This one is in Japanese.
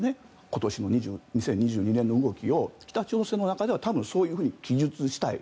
今年の２０２２年の動きを北朝鮮の中では多分そういうふうに記述したい。